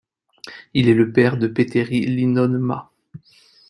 Il est le père de Petteri Linnonmaa.